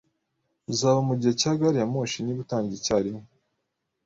Uzaba mugihe cya gari ya moshi niba utangiye icyarimwe